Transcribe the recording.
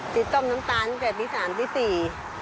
ติดต้นตำตาลตั้งกับตี๓๔